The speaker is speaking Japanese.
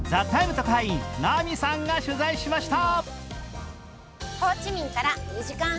特派員ナミさんが取材しました。